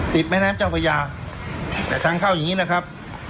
แม่น้ำเจ้าพระยาแต่ทางเข้าอย่างนี้นะครับ